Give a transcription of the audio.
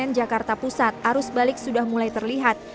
di jakarta pusat arus balik sudah mulai terlihat